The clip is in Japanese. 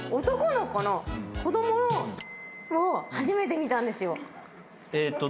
男の子のを初めて見たんです。